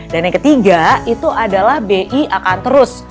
dan yang ketiga itu adalah bi akan terus